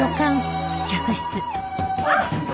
あっ！